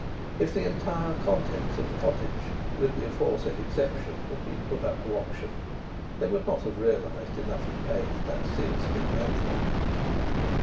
If the entire contents of the cottage, with the aforesaid exception, had been put up to auction, they would not have realised enough to pay for that sealskin mantle.